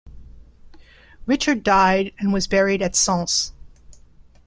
Richard died and was buried at Sens.